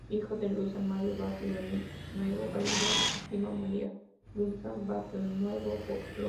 Hijo de Luis Armando Barrionuevo Galindo y su prima María Luisa Barrionuevo Roldán.